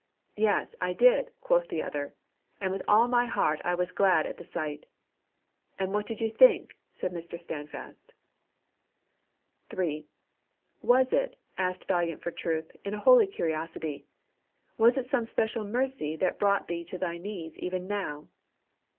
"Yes, I did," quoth the other, "and with all my heart I was glad at the sight." "And what did you think?" said Mr. Standfast. 3. "Was it," asked Valiant for truth, in a holy curiosity, "was it some special mercy that brought thee to thy knees even now?"